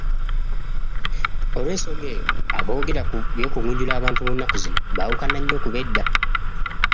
Olw'ensonga eyo, aboagera ku by'okungunjula abantu mu nnaku zino baawukana nnyo ku b'edda.